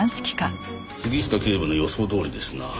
杉下警部の予想どおりですな。